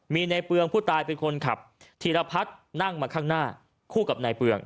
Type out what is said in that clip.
มีในเปลืองผู้ตายเป็นคนขับธีรพัฒน์นั่งมาข้างหน้าคู่กับนายเปลือง